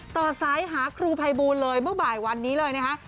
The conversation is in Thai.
ต่อซ้ายหาครูภัยบูลเลยเมื่อบ่ายวันนี้เลยนะคะ